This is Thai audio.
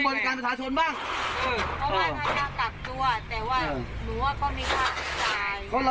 ทำตามหน้าที่กูต้องตามหน้าหน้ากี่นั้นได้ไหมคุณบอก